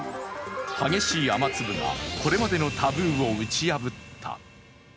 激しい雨粒がこれまでのタブーを打ち破った。